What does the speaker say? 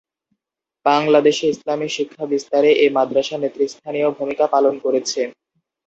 বাংলাদেশে ইসলামি শিক্ষা বিস্তারে এ মাদ্রাসা নেতৃস্থানীয় ভূমিকা পালন করেছে।